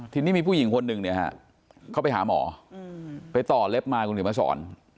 ทีนี้มีผู้หญิงคนหนึ่งเข้าไปหาหมอไปต่อเล็บมาคุณผู้หญิงมาสอน